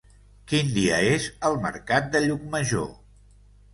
Quin dia és el mercat de Llucmajor?